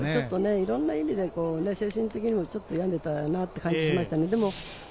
いろんな意味で精神的にもちょっと病んでいたなという感じがしますね。